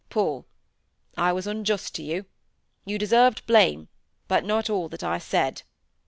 "Paul! I was unjust to you. You deserved blame, but not all that I said."